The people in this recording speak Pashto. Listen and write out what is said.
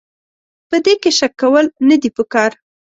په دې کې شک کول نه دي پکار.